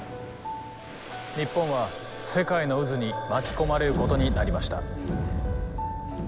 日本は世界の渦に巻き込まれることになりました。